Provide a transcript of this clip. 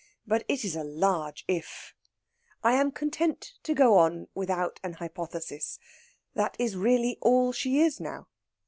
But it is a large if. I am content to go on without an hypothesis that is really all she is now.